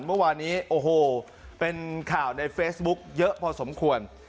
เมื่อวานนี้โอ้โหเป็นข่าวในเฟซบุ๊คเยอะพอสมควร